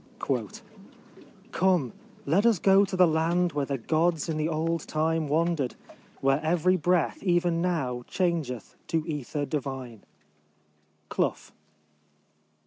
1 Come, let us go to the land where the gods in the old time wandered, Where every breath even now changeth to ether divine 1 "— CLOOOH.